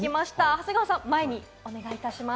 長谷川さん、前にお願いいたします。